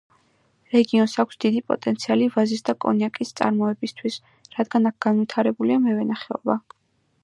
რეგიონს აქვს დიდი პოტენციალი ვაზის და კონიაკის წარმოებისთვის, რადგან აქ განვითარებულია მევენახეობა.